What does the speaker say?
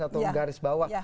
satu garis bawah